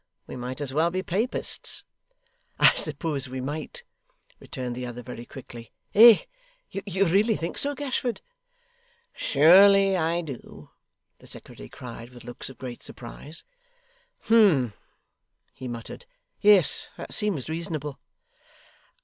We might as well be Papists.' 'I suppose we might,' returned the other, very quickly. 'Eh? You really think so, Gashford?' 'Surely I do,' the secretary cried, with looks of great surprise. 'Humph!' he muttered. 'Yes, that seems reasonable.